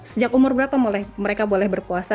sejak umur berapa mereka boleh berpuasa